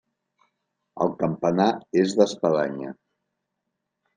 El campanar és d'espadanya.